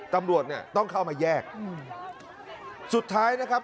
ตำรวจเนี่ยต้องเข้ามาแยกอืมสุดท้ายนะครับ